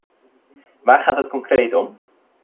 Waar gaat het concreet om?